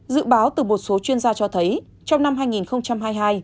dự báo từ một số chuyên gia cho thấy trong năm hai nghìn hai mươi hai